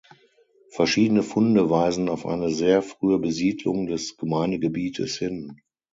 Verschiedene Funde weisen auf eine sehr frühe Besiedlung des Gemeindegebietes hin.